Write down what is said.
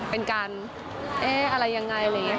มีการอะไรยังไงอะไรอย่างนี้